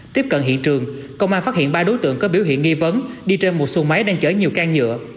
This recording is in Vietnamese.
tiếp cận hiện trường công an phát hiện ba đối tượng có biểu hiện nghi vấn đi trên một xuồng máy đang chở nhiều can nhựa